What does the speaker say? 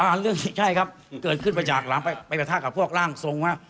อ่าเรื่องนี้ใช่ครับเกิดขึ้นไปจากหลังไปปะทะกับพวกร่างทรงครับ